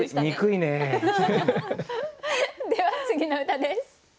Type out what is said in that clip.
では次の歌です。